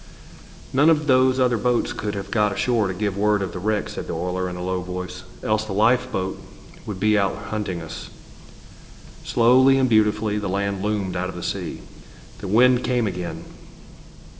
"None of those other boats could have got ashore to give word of the wreck," said the oiler, in a low voice. "Else the lifeboat would be out hunting us." Slowly and beautifully the land loomed out of the sea. The wind came again.